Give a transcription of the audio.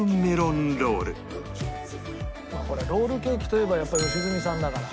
ロールケーキといえばやっぱり良純さんだから。